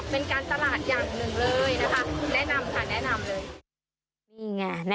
เป็นการตลาดอย่างหนึ่งเลยนะคะแนะนำค่ะแนะนำเลย